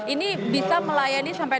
ini bisa melayani sampai